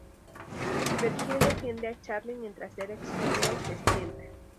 Virgil defiende a Charlie mientras Derek sólo se sienta.